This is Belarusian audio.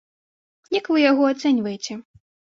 Як вы яго ацэньваеце?